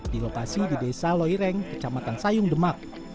di lokasi di desa loireng kecamatan sayung demak